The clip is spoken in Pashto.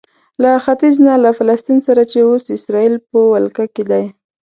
له ختیځ نه له فلسطین سره چې اوس اسراییل په ولکه کې دی.